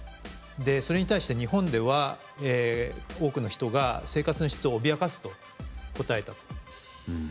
それに対して日本では多くの人が生活の質を脅かすと答えたと。